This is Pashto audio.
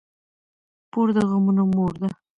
پور د غمونو مور ده.